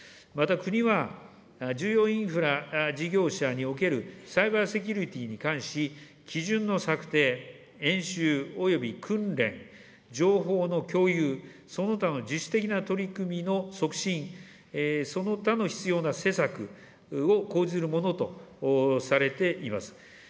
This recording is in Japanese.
また国は、重要インフラ事業者におけるサイバー・セキュリティーに関し、基準の策定、演習および訓練、情報の共有、その他の自主的な取り組みの促進、その他の必要な施策を講ずるものとされています。